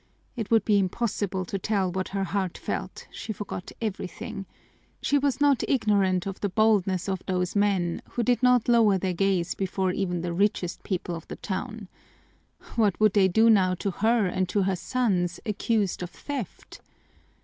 It would be impossible to tell what her heart felt: she forgot everything. She was not ignorant of the boldness of those men, who did not lower their gaze before even the richest people of the town. What would they do now to her and to her sons, accused of theft!